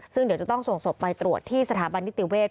ซึ่งเดี๋ยวจะต้องส่งศพไปตรวจที่สถาบันนิติเวศ